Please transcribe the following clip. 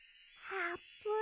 あーぷん！